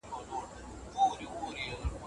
سياست پوهنه د بشري پوهې يوه ستره برخه ده.